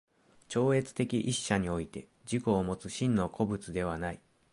超越的一者において自己をもつ真の個物ではない。